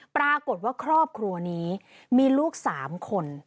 ปรากฏว่าครอบครัวนี้มีลูก๓คน